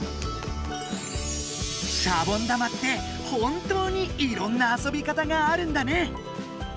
シャボン玉って本当にいろんなあそび方があるんだね！